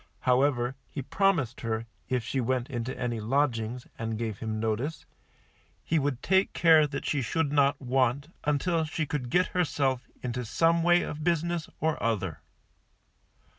However, he promised her, if she went into any lodgings, and gave him notice, he would take care she should not want, until she could get herself into some way of business or other.